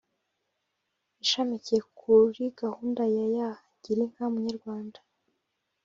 Ishamikiye ku kuri gahunda ya ya Girinka Munyarwanda